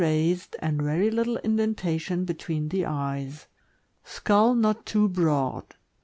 raised, and very little indentation between the eyes. Skull not too broad.